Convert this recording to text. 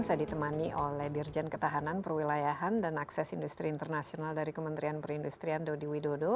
saya ditemani oleh dirjen ketahanan perwilayahan dan akses industri internasional dari kementerian perindustrian dodi widodo